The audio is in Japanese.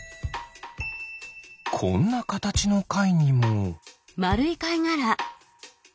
こんなかたちのカイにも。